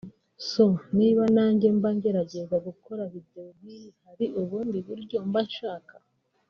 so niba nanjye mba ngerageje gukora video nk’iyi hari ubundi buryo mba nshaka